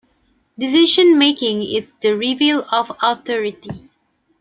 Decision-making is the reveal of authority.